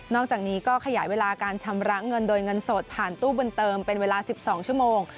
อกจากนี้ก็ขยายเวลาการชำระเงินโดยเงินสดผ่านตู้บุญเติมเป็นเวลา๑๒ชั่วโมง